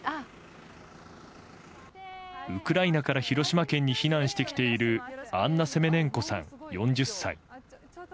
ウクライナから広島県に避難してきているアンナ・セメネンコさん、４０歳。